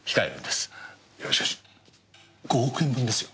いやしかし５億円分ですよ？